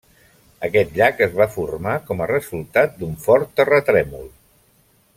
Aquest llac es va formar com a resultat d'un fort terratrèmol.